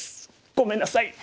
ごめんなさい。